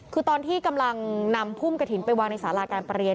คือตอนที่กำลังนำพุ่มกระถิ่นไปวางในสาราการประเรียน